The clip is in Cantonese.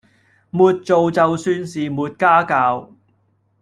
沒做就算是沒家教